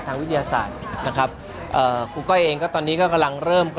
วิทยาศาสตร์นะครับเอ่อครูก้อยเองก็ตอนนี้ก็กำลังเริ่มก็